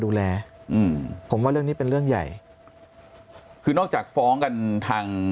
ดูแลอืมผมว่าเรื่องนี้เป็นเรื่องใหญ่คือนอกจากฟ้องกันทาง